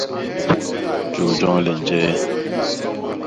Jôy joñ le njee?